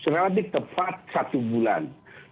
relatif tepat satu bulan